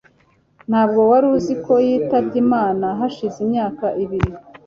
Ntabwo wari uzi ko yitabye Imana hashize imyaka ibiri